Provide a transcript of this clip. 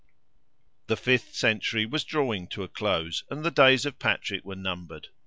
The fifth century was drawing to a close, and the days of Patrick were numbered.